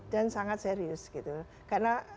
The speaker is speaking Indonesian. dan sangat serius gitu karena